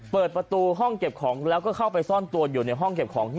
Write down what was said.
เปิดประตูห้องเก็บของแล้วก็เข้าไปซ่อนตัวอยู่ในห้องเก็บของ